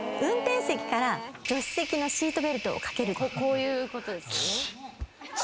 こういうことですよね？